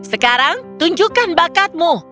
sekarang tunjukkan bakatmu